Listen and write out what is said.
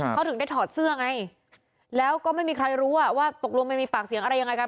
เขาถึงได้ถอดเสื้อไงแล้วก็ไม่มีใครรู้ว่าตกลงมันมีปากเสียงอะไรยังไงกัน